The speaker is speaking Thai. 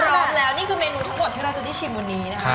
พร้อมแล้วนี่คือเมนูทุกที่เราจะชิมวันนี้